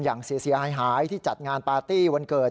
อย่างเสียหายที่จัดงานปาร์ตี้วันเกิด